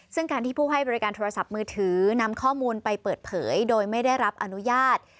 ซึ่งการที่ผู้ให้บริการโทรศัพท์มือถือนำข้อมูลไปเปิดเผยโดยไม่ได้รับอนุญาต